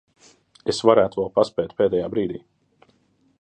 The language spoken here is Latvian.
Es varētu vēl paspēt pēdējā brīdī.